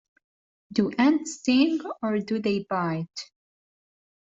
Do ants sting, or do they bite?